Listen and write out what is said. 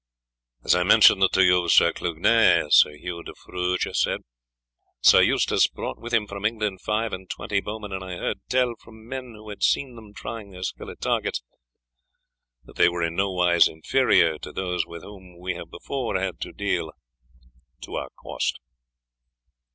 "As I mentioned to you, Sir Clugnet," Sir Hugh de Fruges said, "Sir Eustace brought with him from England five and twenty bowmen, and I heard tell from men who had seen them trying their skill at targets that they were in no wise inferior to those with whom we have before had to deal to our cost."